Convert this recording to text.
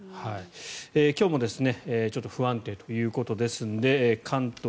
今日もちょっと不安定ということですので関東、